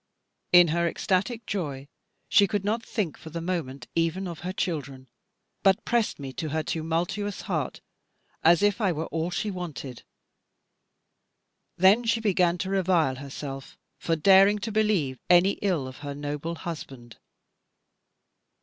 In her ecstatic joy, she could not think for the moment even of her children; but pressed me to her tumultuous heart, as if I were all she wanted. Then she began to revile herself, for daring to believe any ill of her noble husband.